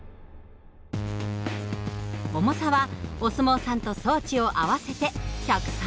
重さはお相撲さんと装置を合わせて１３０ｋｇ。